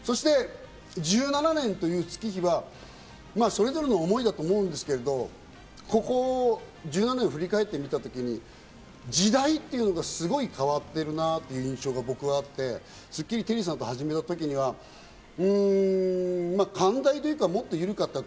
１７年という月日はそれぞれの思いだと思いますけど、１７年振り返ってみたときに、時代というのがすごく変わってるなという印象が僕はあって、『スッキリ』をテリーさんと始めた時には、寛大というか、もっと緩かった。